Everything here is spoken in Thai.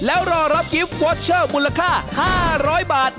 แล้วรอรับกิฟต์วอเชอร์มูลค่า๕๐๐บาท